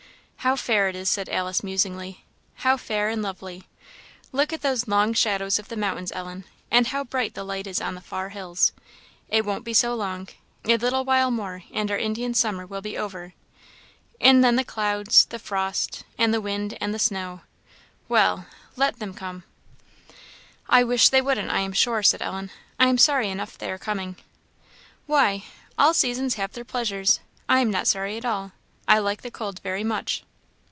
"How fair it is!" said Alice, musingly "how fair and lovely! Look at those long shadows of the mountains, Ellen; and how bright the light is on the far hills! It won't be so long. A little while more, and our Indian summer will be over and then the clouds, the frost, and the wind, and the snow. Well let them come." "I wish they wouldn't, I am sure," said Ellen. "I am sorry enough they are coming." "Why? all seasons have their pleasures. I am not sorry at all; I like the cold very much."